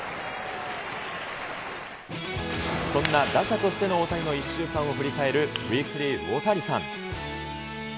そんな打者としての大谷の１週間を振り返る、ウィークリーオオタニサン！